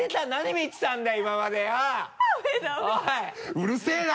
うるせぇな！